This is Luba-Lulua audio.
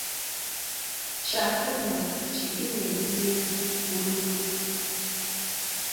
Tshia kunua tshidi ne lulengu bululu.